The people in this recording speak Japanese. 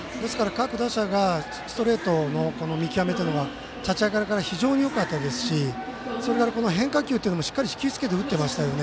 各打者がストレートの見極めというのを立ち上がりから非常によかったですし、それから変化球も引きつけて打ってました。